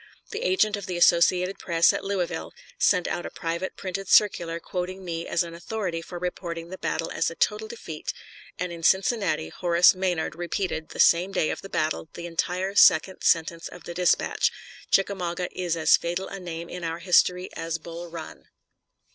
The agent of the Associated Press at Louisville sent out a private printed circular quoting me as an authority for reporting the battle as a total defeat, and in Cincinnati Horace Maynard repeated, the same day of the battle, the entire second sentence of the dispatch, "Chickamauga is as fatal a name in our history as Bull Run."